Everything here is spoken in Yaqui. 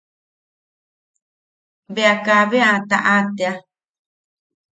Bea kabe a taʼa tea.